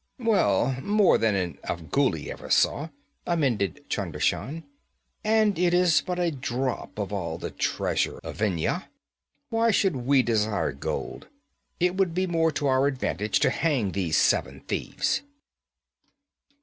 'Well, more than an Afghuli ever saw,' amended Chunder Shan. 'And it is but a drop of all the treasure of Vendhya. Why should we desire gold? It would be more to our advantage to hang these seven thieves.'